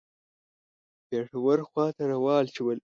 پېښور خواته روان شول.